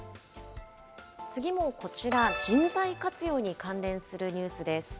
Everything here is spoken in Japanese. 次もこちら、人材活用に関連するニュースです。